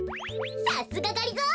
さすががりぞー！